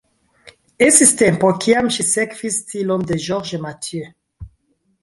Estis tempo, kiam ŝi sekvis stilon de Georges Mathieu.